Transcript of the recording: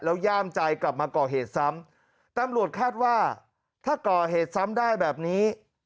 แล้วย่ามใจกลับมาก่อเหตุซ้ำตำรวจคาดว่าถ้าก่อเหตุซ้ำได้แบบนี้